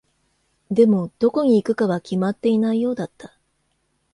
でも、どこに行くかは決まっていないようだった。